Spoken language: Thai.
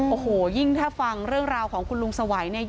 โอ้โหยิ่งถ้าฟังเรื่องราวของคุณลุงสวัยเนี่ย